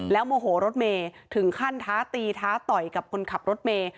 โมโหรถเมย์ถึงขั้นท้าตีท้าต่อยกับคนขับรถเมย์